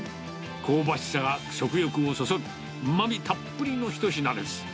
香ばしさが食欲をそそる、うまみたっぷりの一品です。